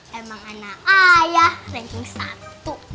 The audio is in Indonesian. emang anak ayah ranking satu